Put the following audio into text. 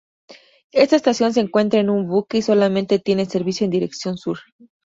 Esta estación se encuentra en un bucle y solamente tiene servicio en dirección sur.